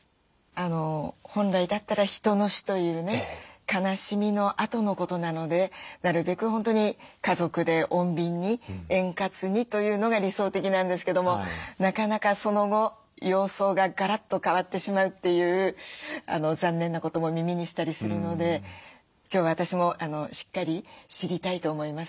本来だったら人の死というね悲しみのあとのことなのでなるべく本当に家族で穏便に円滑にというのが理想的なんですけどもなかなかその後様相がガラッと変わってしまうという残念なことも耳にしたりするので今日は私もしっかり知りたいと思います。